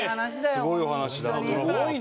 いいよな！